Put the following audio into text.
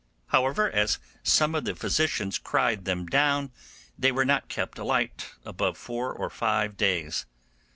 However, as some of the physicians cried them down, they were not kept alight above four or five days.